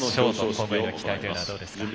今後への期待というのはどうですか。